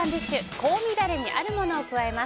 香味ダレにあるものを加えます。